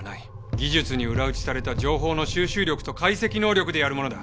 技術に裏打ちされた情報の収集力と解析能力でやるものだ！